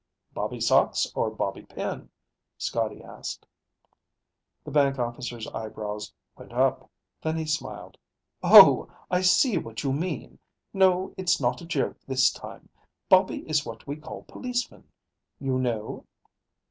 "Bobby sox or bobby pin?" Scotty asked. The bank officer's eyebrows went up, then he smiled. "Oh, I see what you mean. No, it's not a joke this time. Bobby is what we call policemen. You know?"